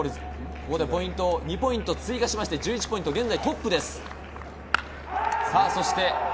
ここで２ポイント追加して１１ポイント、現在トップです。